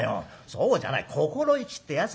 そうじゃない心意気ってやつだよ。